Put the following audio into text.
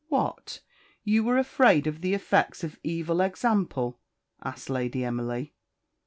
"What! you were afraid of the effects of evil example?" asked Lady Emily.